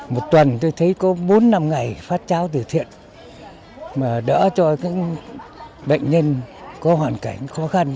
một tuần tôi thấy có bốn năm ngày phát cháo từ thiện mà đỡ cho các bệnh nhân có hoàn cảnh khó khăn